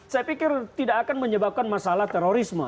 saya pikir tidak akan menyebabkan masalah terorisme